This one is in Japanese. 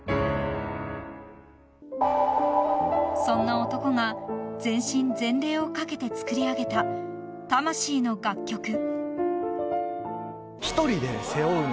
［そんな男が全身全霊を懸けて作りあげた魂の楽曲］